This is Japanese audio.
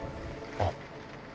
あっ。